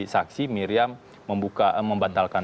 saksi miriam membantalkan